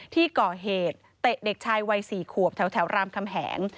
ที่ก่อเหตุเตะเด็กชายวัย๔ขวบแถวรามคำแหง